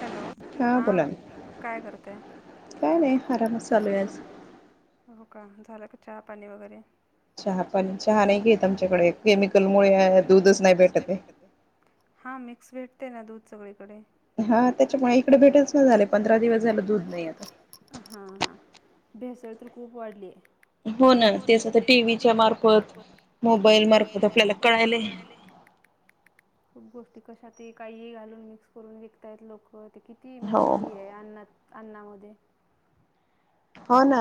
Hello, हा बोला काय करताय? काय नाही आराम चालू हाय आज, हो का झालं का चहा पाणी वगैरे? चहा पण, चहा नाही घेत आमच्याकडे, केमिकल मुळे दूधच नाही भेटत. हां मिक्स भेटते ना, दूध सगळीकडे. हा त्याच्या मुळे इकड भेटच नाही झालय, पंधरा दिवस झाले दूध नाही आलं. हा, हा भेसळ तर खूप वाढलीय. हो ना, तेच टीव्हीच्या मार्फत मोबाईल मार्फत आपल्याला कळायलय. खूप गोष्टी कशात काही ही घालून मिक्स करून विकतयत लोक, ते किती ती म्हणजे ही आहे अन्नात अण्णामध्ये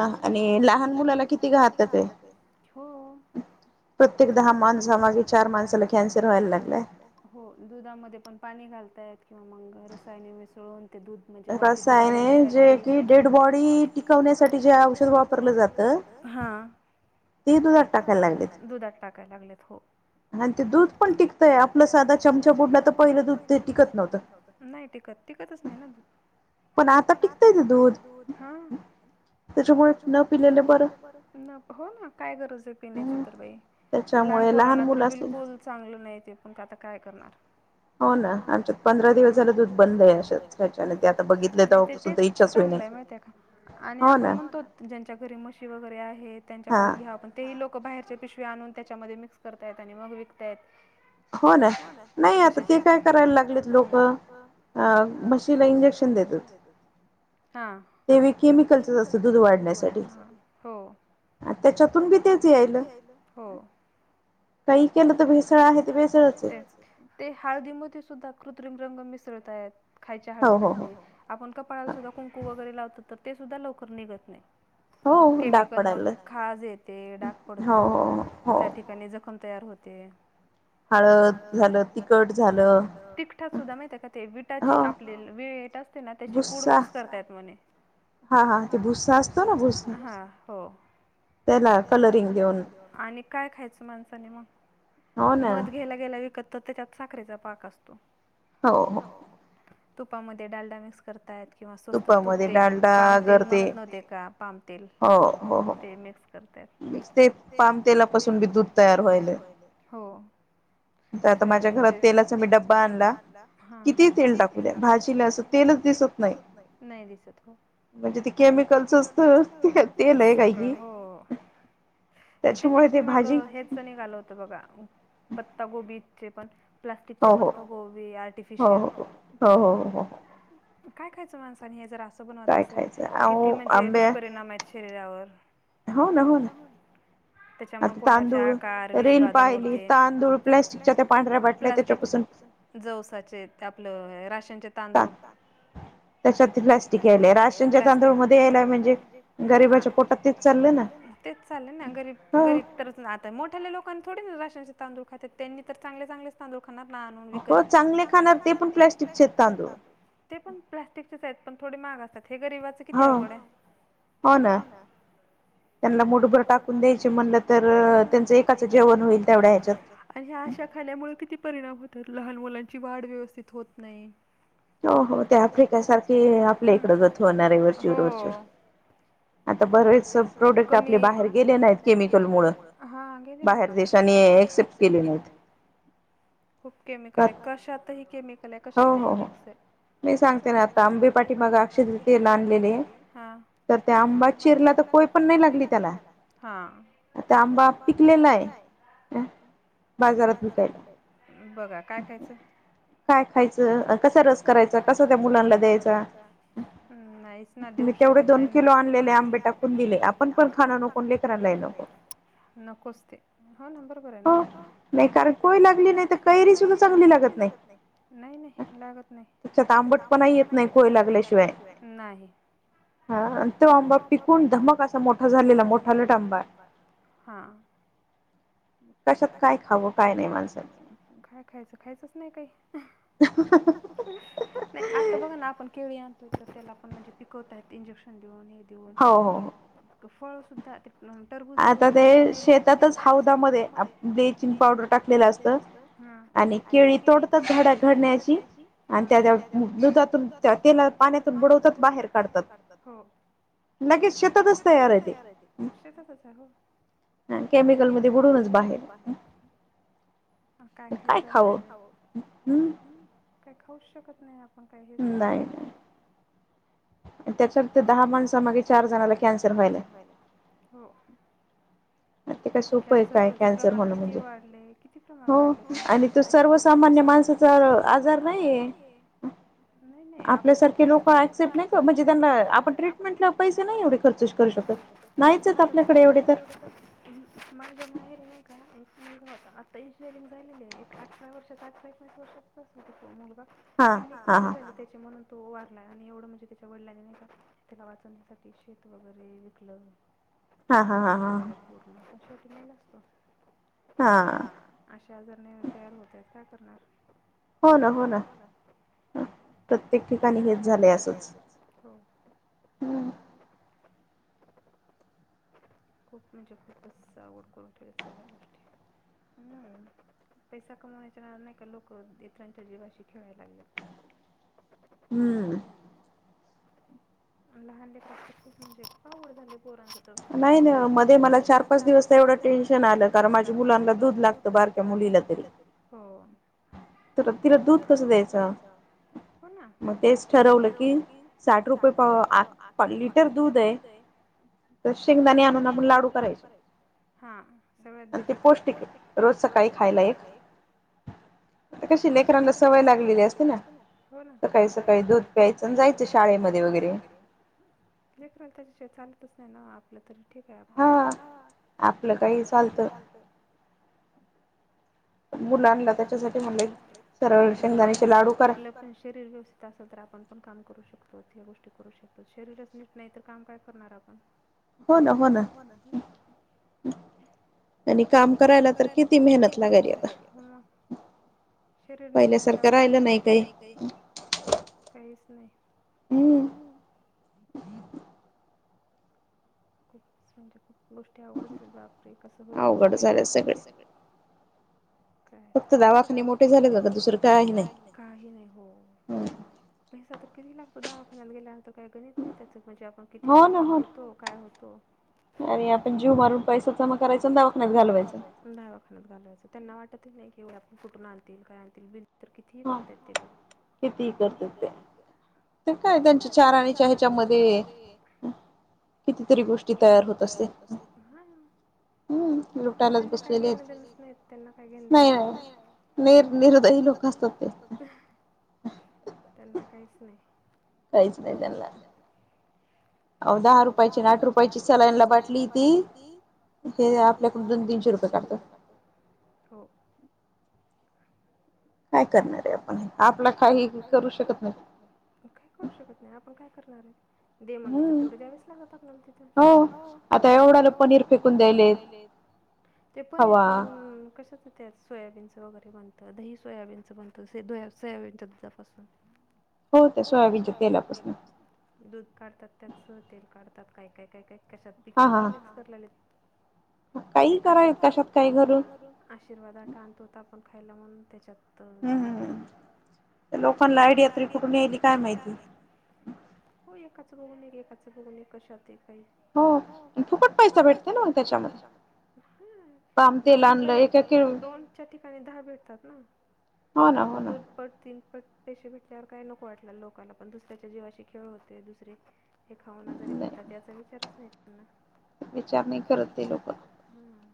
हो ना, आणि लहान मुलाला किती घातक हाय. हो प्रत्येक दहा माणसामागे, चार माणसाला कॅन्सर व्हाय लागलाय. हो दुधामध्ये पण पाणी घालतायत किंवा मंग रसायने मिसळून ते दूध म्हणजे क्वांटिटी वाढवण्यासाठी. हा, दुधात टाकायला लागलेत हो. आणि ते दूध पण टिकतय आपला साधा चमचा बुडला तर पहिलं दूध ते टिकत नव्हतं. नाही टिकत टिकतच नाही ना हा, त्याच्यामुळे न पिलेलं बर. आणि लहानपोरांना तर बिलकुल चांगलं नाही ते पण आता काय करणार. हो ना आच्या पंधरा दिवस झालं दूध बंद आहे त्याच्याने ते आता. चांगलंय माहिती का आणि आपण म्हणतो ज्यांच्या घरी मशी वगैरे आहे त्यांच्याकडून घ्याव. तेही लोक बाहेरचे पिशवे आणून त्याच्यामध्ये मिक्स करतयत आणि मग विकतयत. हो ना कशाचे. आ, म्हशीला इंजेक्शन देतात ते बी केमिकल. त्याच्या असतं दूध वाढण्यासाठी त्याच्यातून बी तेच यायला. हो तेच की, ते हळदीमध्ये सुद्धा कृत्रिंग रंग मिसळतय खायच्या हळदीमध्ये. आपण कपाळाला सुद्धा कुंकू वगैरे लावतो तर ते सुद्धा लवकर निघत नाही. केमिकल खाज येते डाग पडतो त्या ठिकाणी जख ''--'' खम तयार होते. हळद झालं. हळद. तिकखठा सुद्धा माहितये का ते विटाची आपले वीट असते ना त्याची पूड मिक्स करतायेत म्हणे. हा हा, ते बूस्सा असतो ना हा हो, त्याला कलरिंग देऊन. ला विकत तर त्यात साखरेचा पाक असतो. हो हो, तुपामध्ये डालडा मिक्स करताय किंवा स्वस्त तुप ते पाम. म ते का पाम तेल ते मिक्स करतायेत. ते पामतेलापासून बी दूध तयार व्हायले हो, च् [inaudible] यारात तेलाचा मी डबा आणला किती तेल टाकू द्या भाजीला अस तेल दिसत नाही नाही दिसत हो, म्हणजे ते केमिकलच असत त्यात सगळं हो, ते पाठी मग हेच निघाल होत बघा पत्ता गोबीचे पण प्लास्टिकचे पत्ता गोबी आर्टिफिशियल हो हो हो हो हो हो, काय खायचं माणसाने हे जर असं बनवत असे. किती म्हणजे दुष्परिणाम आहेत शरीरावर. त्याच्यामुळे पोटाचे आकार विषबाधा होते तांदूळ प्लास्टिक पांढऱ्या प्लास्टिक त्याच्यापासून. जवसाचे ते आपलं राशनचे. तांदूळ त्याच्यात प्लास्टिक यायले प्लास्टिक राहते. तो मधी याय नाय म्हणजे हा गरिबाच्या पोटात तेच चाललंय ना तेच चाललंय ना गरीब गरीब. तरच ना आता मोठ्या लोकना थोडे राशचे तांदूळ खातात त्यां तर चांगले चांगलेच. तांदूळ खाना ना आणून विकत चांगले खाणार ते पण प्लॅस्टिकचे तांदूळ. ते पण प्लस्टिकचेच आहेत पण थोडे महाग असतात हे गरीबाचे. किती अवघड आहे हो ना, त्यांना मुठभर टाकून द्यायचे म्हणलं तर त्यांचं एकाचं जेवण होईल तेवढ्या ह्याच्यात. आणि ह्या आशा खाल्यामुळे किती परिणाम होतात लहान मुलांची वाढ व्यवस्थित होत नाही. हो हो, ते आफ्रिक सारखी आपल्या इकड गत होणार आहे हो, आता बरेच बाहेर गेले नाहीत केमिकल मुळं गेले नाही बाहेर देशांनी, ॲक्सेप्ट केली नाहीत. खूप केमिकल आहे, कशातही केमिकल आहे कशातही मिक्स आहे. मी सांगते ना आता आंबे पाठी मागं अक्षयतृतीयेला आणलेले, तर ते आंबा चिरला तर, कोय पण नाही लागली त्याला. हा.... आता आंबा पिकलाय, बाजारात विकायचं बघा काय खायचं काय खायचं, कसा रस करायचं, कसं त्या मुलांना द्यायचं. हं नाहीच ना, देऊ शकत नाही‌. दोन किलो आणलेले आंबे टाकून दिले, आपण पण खाणं नको लेकरलाही नको. हा नंबर बर आहे ना, हो.. नाही कारण कोय लागली नाही तर, कैरी सुद्धा चांगली लागत नाही. नाही- नाही लागत नाही. त्याच्यात आंबटपणा ही येत नाही, कोय लागल्याशिवाय..... नाही. हा तो आंबा पिकून धमक असा मोठा झालेला मोठालट आंबा आहे..... हा. कशात काय खावं, काय नाही माणसांनी. काय खायचं, खायचंच नाही काही. [unintelligible] नाही आता बघा ना, आपण केळी आणतो तर त्याला पण म्हणजे पिकवता आहेत इंजेक्शन देऊन, हे देऊन.. हो.. फळ सुद्धा टरबूज वगैरे शेतातच हौदामध्ये ब्लेचिंग पावडर टाकलेला असतं, ह आणि केळी तोडतात झाडा घडण्याची आणि त्याच्या दुधातून त्यात तेला पाण्यात बुडवतात बाहेर काढतात, लगेच शेतातच तयार आय आता ते.... शेतातच आहे हो केमिकल मध्येच बुडूनच बाहेर. अ काय खायचं अन् काय नाही. काय खावं... हं... काही खाऊच शकत नाही आपण, काही हेच नाही. नाय-नाय. त्याच्यावर ते दहा माणसा मागे चार जणाला कॅन्सर व्हायलाय. हो कॅन्सरचे तर प्रमाण किती वाढलयं, किती प्रमाण वाढलयं कॅन्सरचं? आणि तो सर्वसामान्य माणसाचा आजार नाहीये. नाही-नाही. आपल्यासारखे लोक ऍक्सेप्ट नाही का म्हणजे त्यांनला आपण ट्रीटमेंटला पैसे नाही एवढे खर्चच करू शकत. नाही करू शकत ना नाहीच आपल्याकडे एवढं पैशे माझ्या माहेर नाही का.... मुलगा होता आता इंजिनिअरिंग झालेली आहे एक अठरा वर्षचा अठरा एकोणीस वर्षात असंल तो मुलगा, किडनीच खराब झाली त्याची म्हणून तो वारला आणि एवढं म्हणजे त्याच्या वडिलांने नाही का, त्याला वाचवण्यासाठी शेत वगैरे विकलं. हा हा हा जमीन वैगरे पूर्ण पण शेवटी मेलाच तो. हा. अशा आजर नाही ना तयार होतायेत काय करणार. हो ना, हो ना, हं. प्रत्येक ठिकाणी हेच झालयं, असंच. हो हूं.... खूप म्हणजे खूपच आवघड करून ठेवलेत सगळ्यां गोष्टी. पैसा कमवण्याच्या नादानं नाही का लोकं इतरांच्या जीवाशी खेळायला लागल्यात. हूं.... लहान लेकराचे प्रॅक्टस म्हणजे खूप आवघड झालयं पोरांचं. नाही ना मध्ये मला चार -पाच दिवस तर एवढं टेन्शन आलं कारण माझ्या मुलांना दूध लागतं, तर बारक्या मुलीला तरी,... हो... तर, तिला दूध कसं द्यायचं? हो ना मग तेच ठरवलं की, साठ रुपये पाव लिटर दूध आहे. तर शेंगदाणे आणून आपण लाडू करायचे. हां. सगळ्यात बेस्ट ते पौष्टिक रोज सकाळी खायला एक कशी लेकरांला सवय लागलेली असते ना हो ना सकाळी सकाळी दुध प्यायच. अन जायचं शाळेमध्ये वगैरे लेकराला त्याच्या शिवाय चालतच नाही ना. आपलं तरी ठीक आहे आपण, हं आपलं काही चालत मुलानला त्याच्यासाठीला म्हणलं, चकली शेंगदाण्याचे लाडू कर आपल्या नाही हो आपल पण शरीर व्यवस्थित असेल तर आपण पण काम करू शकतो. या गोष्टी करू शकतो शरीरच नीट नाही तर काम काय करणार आपण? हो ना. हो ना. त्यांनी काम करायला तर किती मेहनत लागल्या. हां. शरीर नीट नाही त्यामुळे काय करू शकत. पाहिल्यासारखं राहील नाही काही, काहीचं नाही. हं. खूप म्हणजे खूप गोष्टी अवघड झाल्यात बापरे कसं होईल तस होईल, अवघड झालंय सगळे. काय तर, फक्त दवाखाने मोठे झाले गं का दुसरं काही नाही. काही नाही हो. हं पैसा तर किती लागतो दवाखान्याल्या गेल्यानंतर, काय गणित नाही त्याचं म्हणजे आपण किती खर्च हो ना होतो. काय होतो? आणि आपण जीव मारून पैसा जमा करायचा आणि दवाखान्यात घालवायचा. दवाखान्यात घालावायचं. त्यांना वाटत नाही की होय आपण कुठून आणतील काय आणतील? बिल तर कितीही करताय ते लोक, किती करतेत ते. ते काय त्यांच्या चार आणि चहाच्या मध्ये कितीतरी गोष्टी तयार होत असते. हां हं त्यांना काही घेण देण नाही. त्यांना काही देण घेणच नाही. नाही निर्दयी लोक असतात. हं, त्यांना काहीच नाही. काहीच नाही त्यांना अहो दहा रुपयाची अन् आठ रुपयाची सलाईनला बाटली येती ते आपल्याकडून दोन - तीनशे रुपये काढतात. हो. आपण काही करू शकत नाही. काही करू शकत नाही आपण काय करणार आहेत. दे म्हणले तर तेवढे द्यावेच लागत आपणाला तिथं. हो. आता एवढाला पनीर फेकून द्यायलेत. ते पनीर पण खवा कशाच त्या सोयाबीनचं वगैरे बनतं. दही, सोयाबीन बनतं. ते सोयाबीनच्या दुधापासून, हो ते सोयाबीनच्या तेलापासून दूध काढतात. त्यात स तेल काढतात काय काय काय काय कशात? ते काही मिक्स करायला लागलेत. ते अशी करावी कशात काय घालून आशीर्वादा आटा आणतो. तो आपण खायला म्हणून त्याच्यात त, हं लोकांना आयडिया तरी कुठून याली काय माहिती? हो. एकाचं बघून येईल एकाचं बघून एक कशात काही? हो. फुकट पैसा भेटतो ना होय न्हव त्याच्यामध्ये, हं दनलय दनलय दोन रुपये दोन च्या ठिकाणी दहा भेटतात ना. दोन पट, तीन पट पैसे भेटल्यावर काही नको वाटल लोकांना, पण दुसऱ्याच्या जीवाशी खेळ होते दुसरे हे खाऊन आजारी पडतात. त्याचा विचारच नाही त्यांना विचार नाही करत ते लोक, हं.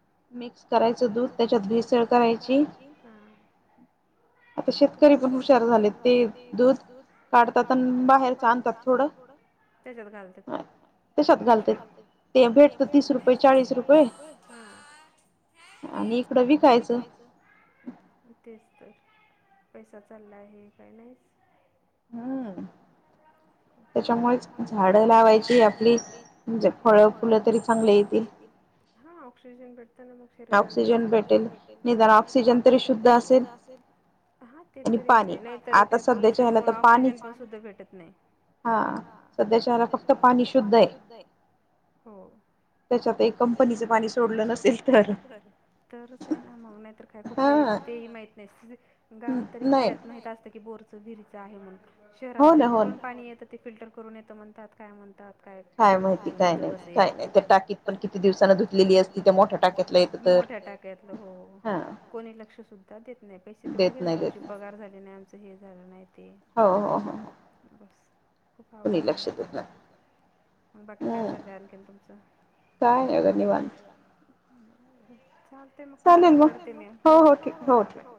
मिक्स करायचं दूध त्याच्यात भेसळ करायची. हं. आता शेतकरी पण हुशार झालेत. ते दूध काढतात आणि बाहेरच आणतात थोडं त्याच्यात घालतात. [unintelligible] ते भेटत तीस रुपये चाळीस रुपये. [unintelligible] आणि इकडं विकायचं. तेच तर पैसा चालला आहे काय नाहीस. त्याच्यामुळेच झाडं लावायची आपली म्हणजे फळ फुलं तरी चांगले येतील हा ऑक्सिजन भेटतना मग. शरीराला ऑक्सिजन भेटेल निदान ऑक्सिजन तरी शुद्ध असेल. हा ते तरी आहे नाहीतरी काय पोल्युशन मूळ ऑक्सिजन पण शुद्ध भेटत नाही. हा सध्या शहरात फक्त पाणी शुद्ध आहे हो. त्याच्यात एक कंपनीच पाणी सोडलं नसेल तर. तरच आहे ना मग नाही तर काय कुठलं येतं तेही माही गावात तरी खेड्यात माहिती असतं की बोरचं भिरीचं आहे म्हणून शहरात तरी कुठून पाणी येतं ते फिल्टर करून येतं म्हणतात काय म्हणतात. काय काय माहिती कुटून येत कसं येत टाकीत पण किती दिवसानं धुतलेली असती त्या मोठ्या टाकी मोठ्या टाकतलं हो कोणी लक्ष सुद्धा देत नाही. पैसे तेवढं घेतात आमची पगार झाले नाही आमचं हे झालं नाही ते हो हो बस खूप अवघड झालय ह्याचं. मग बाकी काय चाललंल आणखी तुमचं? काय नाही बग निवांत. चालते मग करा मग करते मी हो चला बाय.